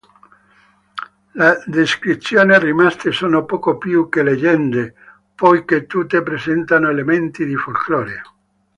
Le descrizioni rimaste sono poco più che leggende, poiché tutte presentano elementi di folklore.